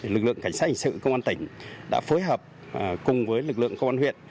lực lượng cảnh sát hình sự công an tỉnh đã phối hợp cùng với lực lượng công an huyện